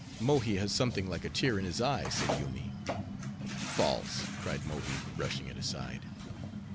"Mohi has something like a tear in his eye," said Yoomy. "False!" cried Mohi, brushing it aside.